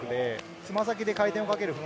つま先で回転をかけます。